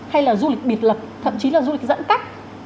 hay là du lịch biệt lập thậm chí là du lịch dẫn tắt